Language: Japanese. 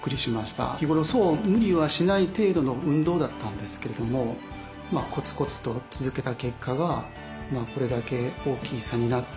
日頃そう無理はしない程度の運動だったんですけれどもコツコツと続けた結果がこれだけ大きい差になって。